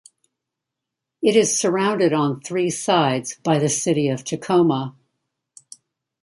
It is surrounded on three sides by the city of Tacoma.